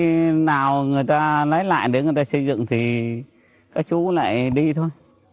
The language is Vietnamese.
khi nào người ta lấy lại để người ta xây dựng thì các chú lại đi thôi